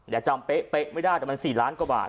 อย่าจำเป๊ะไม่ได้แต่มัน๔ล้านกว่าบาท